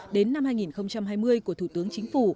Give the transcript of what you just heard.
đến năm hai nghìn hai mươi của thủ tướng chính phủ